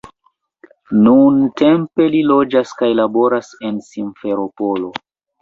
Nuntempe li loĝas kaj laboras en Simferopolo.